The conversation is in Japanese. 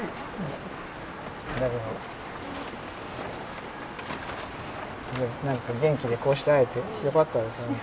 だけど何か元気でこうして会えて良かったです